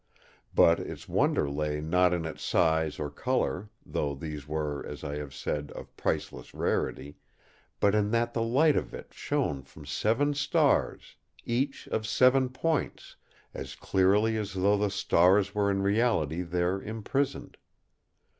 But its wonder lay not in its size or colour, though these were, as I have said, of priceless rarity; but in that the light of it shone from seven stars, each of seven points, as clearly as though the stars were in reality there imprisoned.